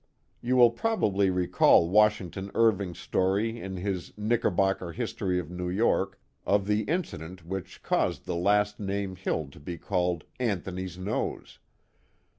You will probably recall Washington Irving's story in his Knickerbocker History of New York, of the incident which caused the last named hill to be called " Anthony's Nose."